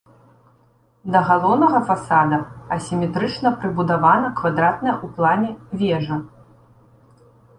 Да галоўнага фасада асіметрычна прыбудавана квадратная ў плане вежа.